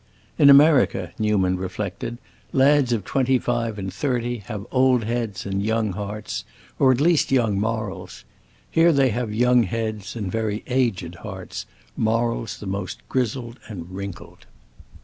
In America, Newman reflected, lads of twenty five and thirty have old heads and young hearts, or at least young morals; here they have young heads and very aged hearts, morals the most grizzled and wrinkled.